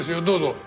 どうぞ。